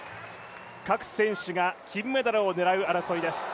各選手が金メダルを狙う争いです。